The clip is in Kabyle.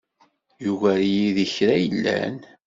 Yugar-iyi deg kra yellan.